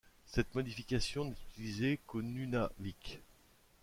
Cette modification n'est utilisée qu'au Nunavik.